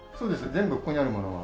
全部ここにあるものは。